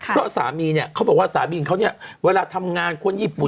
เพราะสามีเนี่ยเขาบอกว่าสามีของเขาเนี่ยเวลาทำงานคนญี่ปุ่น